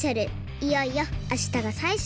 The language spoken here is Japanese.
いよいよあしたがさいしゅうび！